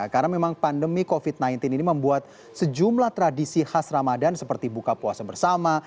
karena memang pandemi covid sembilan belas ini membuat sejumlah tradisi khas ramadhan seperti buka puasa bersama